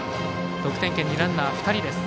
得点圏にランナー２人です。